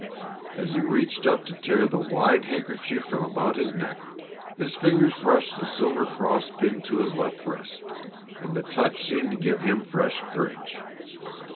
As he reached up to tear the wide handkerchief from about his neck his fingers brushed the silver cross pinned to his left breast, and the touch seemed to give him fresh courage.